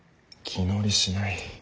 気乗りしない。